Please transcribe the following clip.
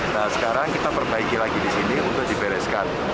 nah sekarang kita perbaiki lagi di sini untuk dibereskan